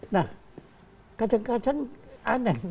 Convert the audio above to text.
nah kadang kadang aneh sikap kita itu